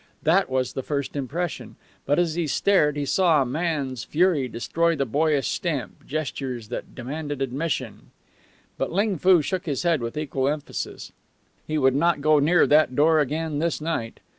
That was the first impression. But as he stared he saw a man's fury destroy the boyish stamp gestures that demanded admission. But Ling Foo shook his head with equal emphasis. He would not go near that door again this night.